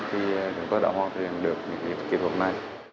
thì chúng tôi đã